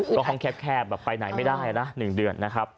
ก็ข้อมูลแคบก็ไปไหนไม่ได้นะ๑เดือน